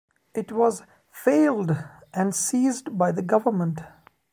It was 'failed' and seized by the government.